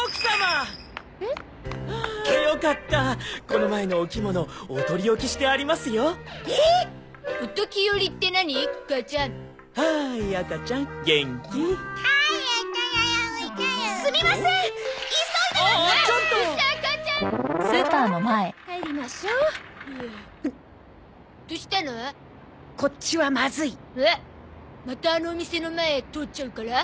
またあのお店の前通っちゃうから？